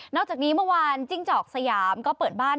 อกจากนี้เมื่อวานจิ้งจอกสยามก็เปิดบ้าน